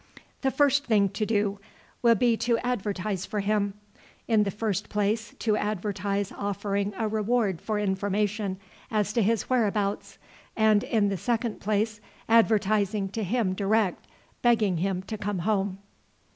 The first thing to do will be to advertise for him in the first place to advertise offering a reward for information as to his whereabouts, and in the second place advertising to him direct, begging him to come home."